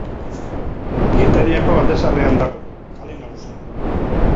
Getariako Alde Zaharrean dago, Kale Nagusian.